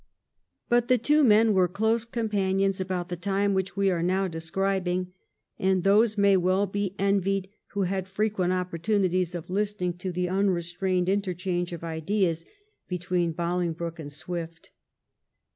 But the two men were close companions about the time which we are now describing, and those may well be envied who had frequent oppor tunity of listening to the unrestrained interchange of ideas between Bolingbroke and Swift.